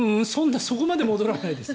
そこまで戻らないです。